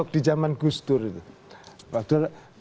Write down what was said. di zaman gustur itu